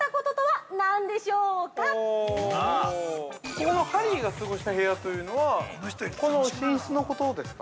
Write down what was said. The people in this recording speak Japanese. ◆このハリーが過ごした部屋というのは、この寝室のことですか。